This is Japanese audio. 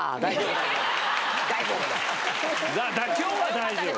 今日は大丈夫。